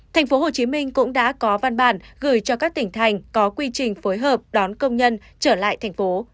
tp hcm cũng đã có văn bản gửi cho các tỉnh thành có quy trình phối hợp đón công nhân trở lại thành phố